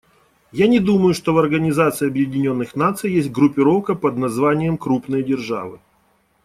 Я не думаю, что в Организации Объединенных Наций есть группировка под названием "крупные державы".